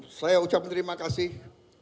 saya ucapkan terima kasih